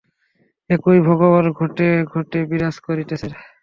একই ভগবান ঘটে ঘটে বিরাজ করিতেছেন।